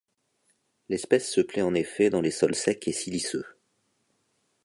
L'espèce se plaît en effet dans les sols secs et siliceux.